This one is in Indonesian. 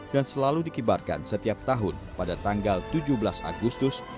dan selalu dikibarkan setiap tahun pada tanggal tujuh belas agustus